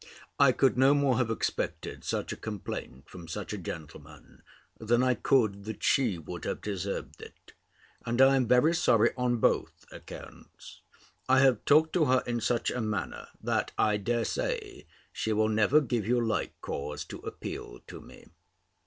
I could no more have expected such a complaint from such a gentleman, than I could, that she would have deserved it: and I am very sorry on both accounts. I have talked to her in such a manner, that, I dare say, she will never give you like cause to appeal to me.